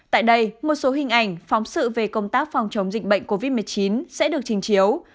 tại đây một số hình ảnh phóng sự về công tác phòng chống dịch bệnh covid một mươi chín sẽ được trình chiếu